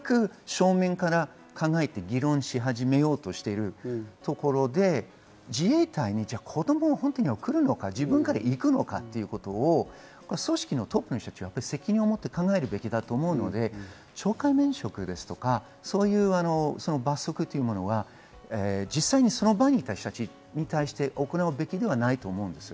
ようやく正面から考えて議論し始めようとしているところで、自衛隊に子供を本当に送るのか、自分から行くのかということを組織のトップの人たちは責任をもって考えるべきだと思うので、懲戒免職とかそういう罰則は実際にその場にいた人たちに対して行うべきではないと思うんです。